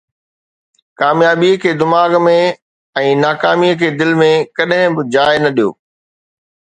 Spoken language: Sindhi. ڪاميابي کي دماغ ۾۽ ناڪامي کي دل ۾ ڪڏهن به جاءِ نه ڏيو